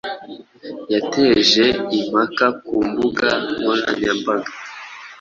yateje impaka ku mbuga nkoranyambaga